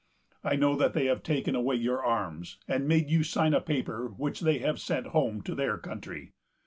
I know that they have taken away your arms, and made you sign a paper which they have sent home to their country.